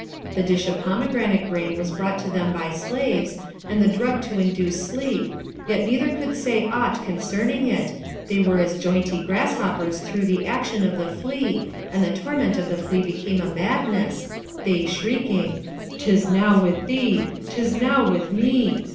The dish of pomegranate grain was brought to them by slaves, and the drug to induce sleep, yet neither could say aught concerning it, they were as jointy grasshoppers through the action of the flea, and the torment of the flea became a madness, they shrieking, ''Tis now with thee! 'Tis now with me!